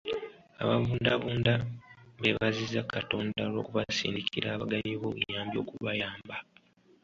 Ababundabunda b'ebaziza Katonda olw'okubasindikira abagabi b'obuyambi okubayamba.